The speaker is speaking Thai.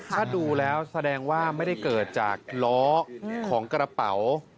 ถ้าดูแล้วแสดงว่าไม่ได้เกิดจากล้อของกระเป๋า